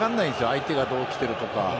相手がどう来てるとか。